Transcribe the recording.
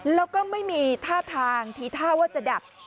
แล้วก็ไม่มีท่าทางทีท่าว่าจะดับ